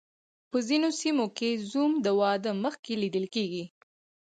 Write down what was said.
په ځینو سیمو کې زوم د واده مخکې لیدل کیږي.